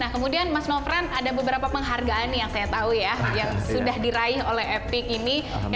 kepala pertama epic property